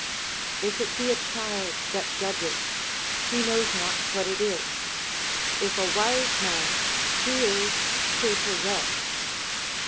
If it be a child that judges, he knows not what it is; if a wise man, he is prepossessed.